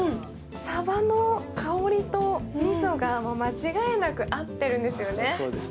サバの香りとみそが、間違いなく合ってるんですよね。